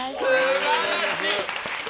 素晴らしい！